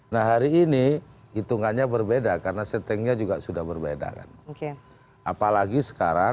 nah hari ini hitungannya berbeda karena settingnya juga sudah berbeda kan